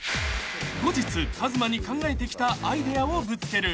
［後日ＫＡＺＭＡに考えてきたアイデアをぶつける］